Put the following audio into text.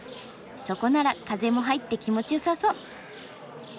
そこなら風も入って気持ちよさそう。